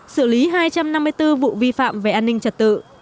xử lý hai trăm năm mươi bốn vụ vi phạm về an ninh trật tự